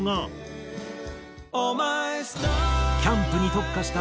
キャンプに特化したフェス